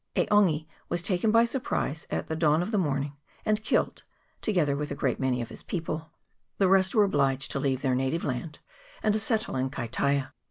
E' Ongi was taken by surprise at the dawn of the morning, and killed, together with a great many of his people ; the rest were obliged to leave their native land, and to 204 NORTHERN ISLAND. [PART II. settle in Kaitaia.